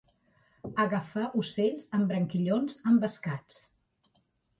Agafar ocells amb branquillons envescats.